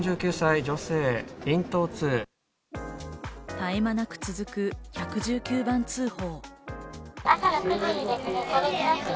絶え間なく続く１１９番通報。